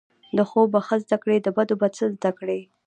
د ښو به ښه زده کړی، د بدو به څه زده کړی